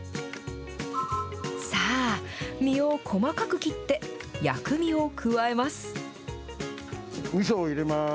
さあ、身を細かく切って、薬味を加えます。